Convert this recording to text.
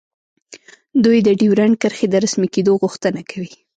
دوی د ډیورنډ کرښې د رسمي کیدو غوښتنه کوي